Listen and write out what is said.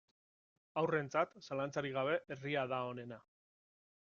Haurrentzat, zalantzarik gabe, herria da onena.